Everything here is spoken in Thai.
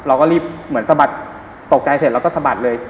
เราก็รีบเหมือนสะบัดตกใจเสร็จเราก็สะบัดเลย